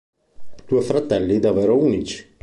Due fratelli davvero unici!